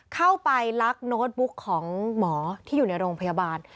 เข้าไปลักโน้ตบุ๊กของหมอที่อยู่ในโรงพยาบาล